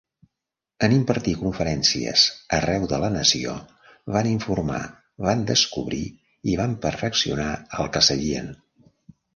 En impartir conferències arreu de la nació, van informar, van descobrir i van perfeccionar el que sabien.